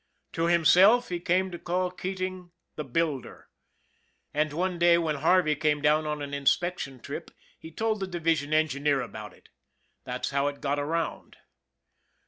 To himself he came to call Keating " The Builder," and one day when Har vey came down on an inspection trip, he told the divi sion engineer about it that's how it got around.